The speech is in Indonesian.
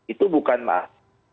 itu bukan maaf